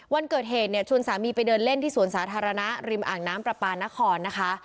วันเกิดเหตุเนี่ยชวนสามีไปเดินเล่นที่สวนสาธารณะริมอ่างน้ำประปานครนะคะ